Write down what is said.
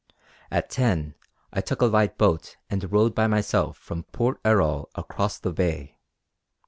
At ten I took a light boat and rowed by myself from Port Erroll across the bay.